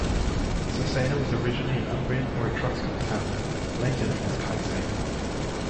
Cesena was originally an Umbrian or Etruscan town, later known as Caesena.